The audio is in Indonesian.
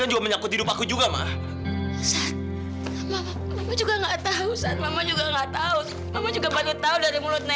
sar jangan tinggalin mama